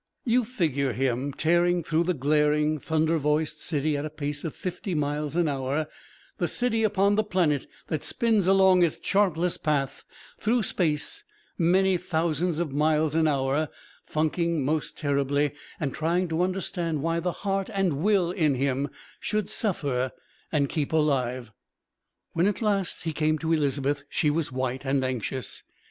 You figure him, tearing through the glaring, thunder voiced city at a pace of fifty miles an hour, the city upon the planet that spins along its chartless path through space many thousands of miles an hour, funking most terribly, and trying to understand why the heart and will in him should suffer and keep alive. When at last he came to Elizabeth, she was white and anxious.